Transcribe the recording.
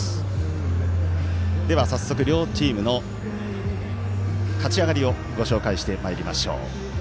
では早速、両チームの勝ち上がりご紹介してまいりましょう。